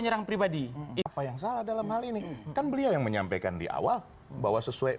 menyerang pribadi apa yang salah dalam hal ini kan beliau yang menyampaikan di awal bahwa sesuai